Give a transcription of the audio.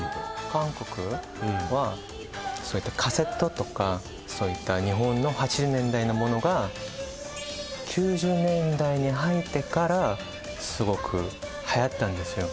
韓国はカセットとかそういった日本の８０年代のものが９０年代に入ってからすごくはやったんですよ